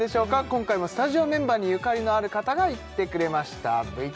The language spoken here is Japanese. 今回もスタジオメンバーにゆかりのある方が行ってくれました